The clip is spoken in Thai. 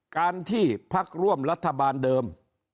การที่พักร่วมรัฐบาลเดิม